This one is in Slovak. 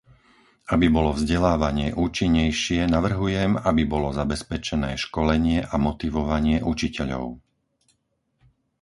Aby bolo vzdelávanie účinnejšie, navrhujem, aby bolo zabezpečené školenie a motivovanie učiteľov.